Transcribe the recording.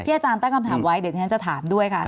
อาจารย์ตั้งคำถามไว้เดี๋ยวที่ฉันจะถามด้วยค่ะ